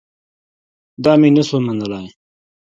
دا مې نه سو منلاى.